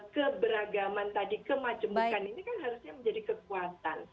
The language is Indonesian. keberagaman tadi kemajemukan ini kan harusnya menjadi kekuatan